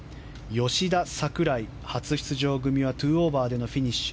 吉田、櫻井、初出場組は２オーバーでのフィニッシュ。